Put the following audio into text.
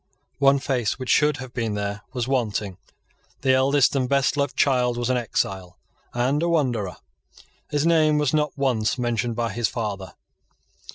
One face which should have been there was wanting. The eldest and best loved child was an exile and a wanderer. His name was not once mentioned by his father.